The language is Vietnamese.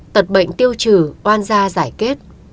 tật bệnh tiêu trừ oan gia giải kết